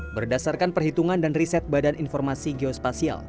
berdasarkan perhitungan dan riset badan informasi geospasial